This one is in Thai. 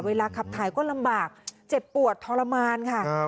เวลาขับถ่ายก็ลำบากเจ็บปวดทรมานค่ะ